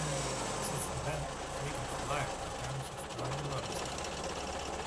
Since then, frequent-flyer programs have grown enormously.